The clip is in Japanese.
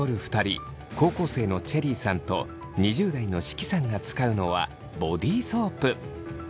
高校生のチェリーさんと２０代の識さんが使うのはボディソープ。